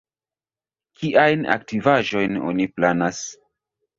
Kiajn aktivaĵojn oni planas?